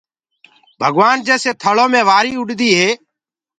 ڀگوآن جيسي ٿݪو مي وآريٚ اُڏديٚ هي